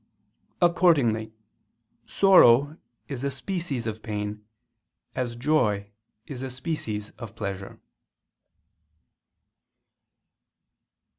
Accordingly sorrow is a species of pain, as joy is a species of pleasure.